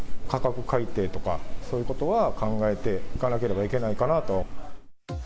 価格改定とか、そういうことは考えていかなければいけないかなと。